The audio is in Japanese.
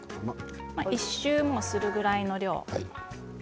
１周するぐらいの量です。